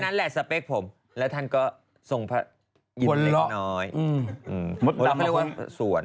แค่สเปกผมแล้วท่านก็ทรงพระยิ่มเล็กน้อย